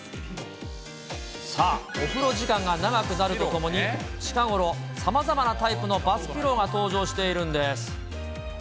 さあ、お風呂時間が長くなるとともに、近頃、さまざまなタイプのバスピローが登場しているんです。